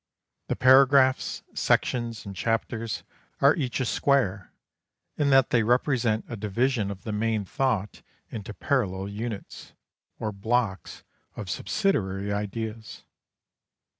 The paragraphs, sections, and chapters are each a square, in that they represent a division of the main thought into parallel units, or blocks of subsidiary ideas.